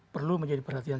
perlu menjadi perhatian